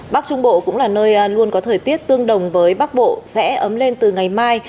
bắc trung bộ cũng là nơi luôn có thời tiết tương đồng với bắc bộ sẽ ấm lên từ ngày mai